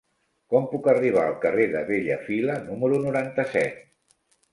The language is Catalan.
Com puc arribar al carrer de Bellafila número noranta-set?